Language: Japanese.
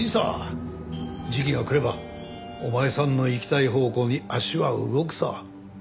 時期が来ればお前さんの行きたい方向に足は動くさ。